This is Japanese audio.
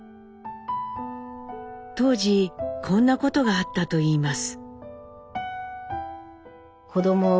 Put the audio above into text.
当時こんなことがあったといいます。